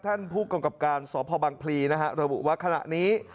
ท่านผู้กรรมกรรมการสพบังพลีระบุวัตถ์ขณะนี้